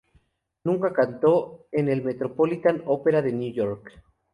Nunca cantó en el Metropolitan Opera de New York.